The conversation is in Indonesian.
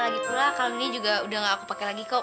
gitu lah kalau ini juga udah nggak aku pake lagi kok